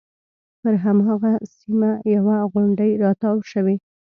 پر هماغه سیمه یوه غونډۍ راتاو شوې.